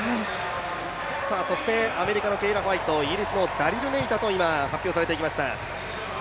そしてアメリカのケイラ・ホワイトイギリスのダリル・ネイタと発表されてきました。